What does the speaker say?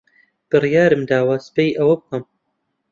بڕیارم داوە سبەی ئەوە بکەم.